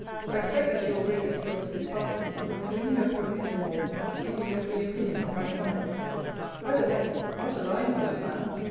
I expect that you will break the seals of this parcel, and when you have perused them all, give me your free opinion of my conduct. By the way, not a line from that man!